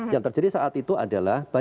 yang terjadi saat itu adalah